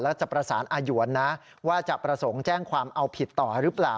แล้วจะประสานอาหยวนนะว่าจะประสงค์แจ้งความเอาผิดต่อหรือเปล่า